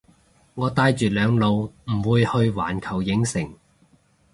我帶住兩老唔會去環球影城